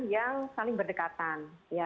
yang saling berdekatan